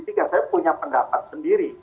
saya punya pendapat sendiri